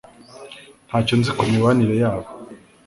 Ntacyo nzi ku mibanire yabo